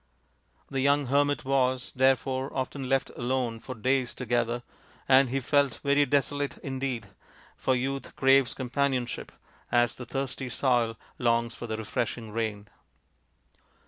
The young hermit was, therefore, often left alone for days together, and he felt very desolate indeed, for youth craves companionship as the thirsty soil longs for the refreshing rain.